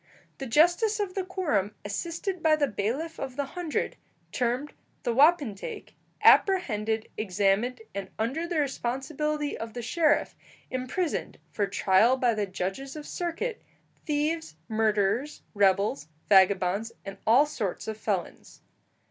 The justice of the quorum, assisted by the bailiff of the hundred, termed the wapentake, apprehended, examined, and, under the responsibility of the sheriff, imprisoned, for trial by the judges of circuit, thieves, murderers, rebels, vagabonds, and all sorts of felons.